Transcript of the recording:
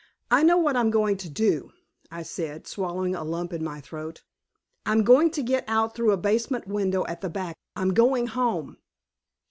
"I know what I'm going to do," I said, swallowing a lump in my throat. "I'm going to get out through a basement window at the back. I'm going home."